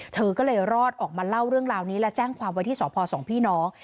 เธอก็เลยรอดออกมาเล่าเรื่องราวนี้และแจ้งความไว้ที่สพสองพี่น้อง